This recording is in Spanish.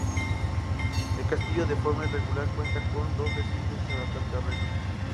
El castillo, de forma irregular, cuenta con dos recintos y se adapta al terreno.